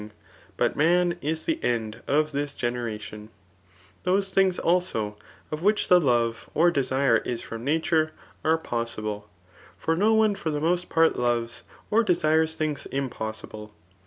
RHSTOailC^ 159 [but man is the end of this gtmeradaik] Thorn Augt) abo, of which the love or desire is from nature, are po8« 8ft>le; for no one for the most part loves or desires things imposdble.